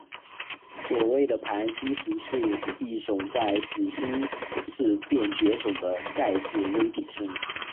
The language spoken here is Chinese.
所谓的盘星石是一种在始新世便绝种的钙质微体生物。